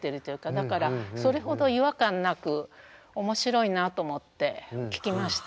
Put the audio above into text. だからそれほど違和感なく面白いなと思って聴きました。